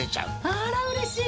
あらうれしい。